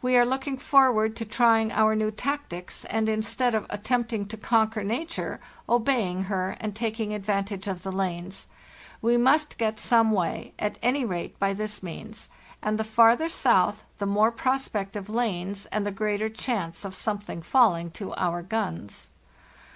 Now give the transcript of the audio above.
We are looking forward to trying our new tactics, and instead of at tempting to conquer nature, obeying her and taking advantage of the lanes. We must get some way, at any rate, by this means; and the farther south the. more prospect of lanes and the greater chance of something falling to our guns.